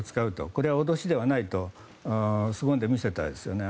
これは脅しではないとすごんで見せたんですよね。